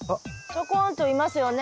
ちょこんといますよね